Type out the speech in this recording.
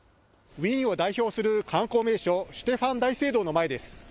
ウィーンを代表する観光名所、シュテファン大聖堂の前です。